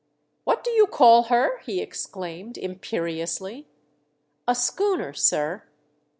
" What do you call her ?" he exclaim.ed, imperiously. " A schooner, sir."